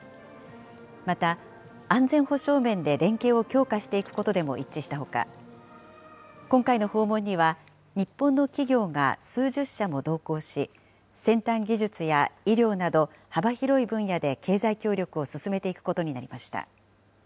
また、安全保障面で連携を強化していくことでも一致したほか、今回の訪問には、日本の企業が数十社も同行し、先端技術や医療など、幅広い分野で経済協力を進めていくことになりました。